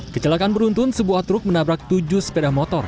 kecelakaan beruntun sebuah truk menabrak tujuh sepeda motor